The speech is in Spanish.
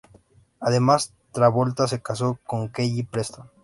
Además Travolta se casó con Kelly Preston.